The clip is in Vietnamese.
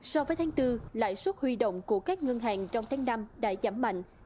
so với tháng bốn lãi suất huy động của các ngân hàng trong tháng năm đã giảm mạnh